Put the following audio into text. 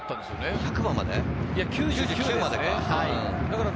１００番まで？